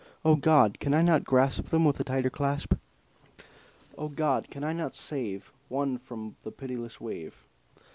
O God! can I not grasp Them with a tighter clasp? O God! can I not save One from the pitiless wave?